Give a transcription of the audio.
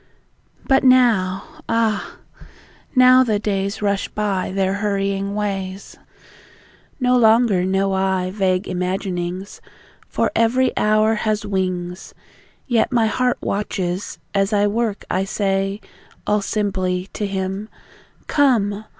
But now! Ah, now, the days Rush by their hurrying ways! No longer know I vague imaginings, For every hour has wings. Yet my heart watches ... as I work I say, All simply, to Him: "Come!